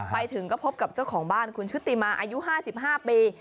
ไปถึงก็พบกับเจ้าของบ้านคุณชุติมาอายุ๕๕ปี